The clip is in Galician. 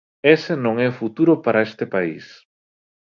Ese non é futuro para este país.